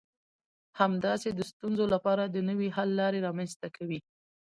همداسې د ستونزو لپاره د نوي حل لارې رامنځته کوي.